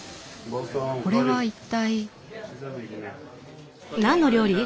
これは一体？